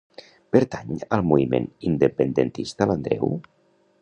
Pertany al moviment independentista l'Andreu?